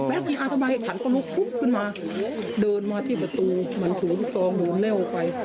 อืมแป๊กยิงอาทำไมฉันก็ลุกปุ๊บขึ้นมาเดินมาที่ประตูมันถูกตรองดูเล่วไป